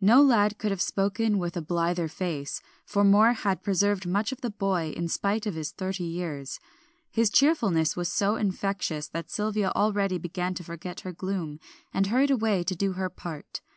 No lad could have spoken with a blither face, for Moor had preserved much of the boy in spite of his thirty years. His cheerfulness was so infectious, that Sylvia already began to forget her gloom, and hurried away to do her part.